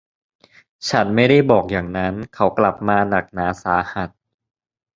ฉันไม่ได้บอกอย่างนั้นเขากลับมาหนักหนาสาหัส